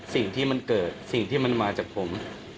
สิ่งที่มันเกิดสิ่งที่มันมาจากผม